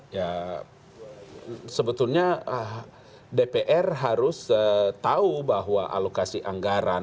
ya sebetulnya dpr harus tahu bahwa alokasi anggaran